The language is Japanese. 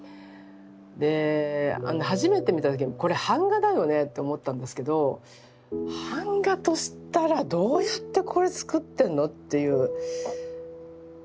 であの初めて見た時にこれ板画だよねって思ったんですけど板画としたらどうやってつくってんのっていう想像ができなかったですね。